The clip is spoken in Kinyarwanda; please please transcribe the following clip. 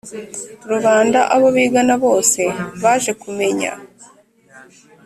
rubanda, abo bigana bose, baje kumenya